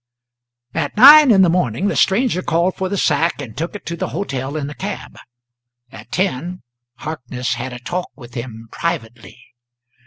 At nine in the morning the stranger called for the sack and took it to the hotel in a cab. At ten Harkness had a talk with him privately.